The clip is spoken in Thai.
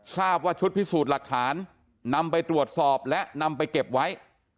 ทราบว่าชุดพิสูจน์หลักฐานนำไปตรวจสอบและนำไปเก็บไว้